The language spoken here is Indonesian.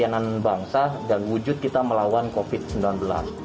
ini adalah barang dagangan yang terdampak ppkm